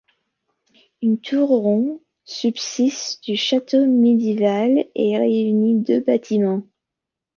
Une tour ronde subsiste du château médiéval et réunit deux bâtiments.